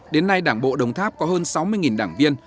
đến nay đảng bộ đồng tháp có hơn sáu mươi đảng viên